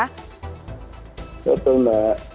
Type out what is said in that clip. betul betul mbak